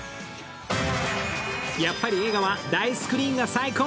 やっぱり映画は大スクリーンが最高！